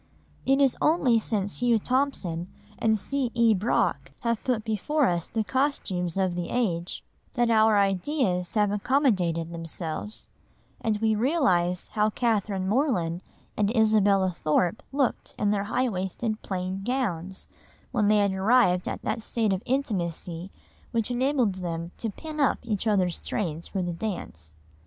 It is only since Hugh Thompson and C. E. Brock have put before us the costumes of the age, that our ideas have accommodated themselves, and we realise how Catherine Morland and Isabella Thorpe looked in their high waisted plain gowns, when they had arrived at that stage of intimacy which enabled them to pin "up each other's trains for the dance."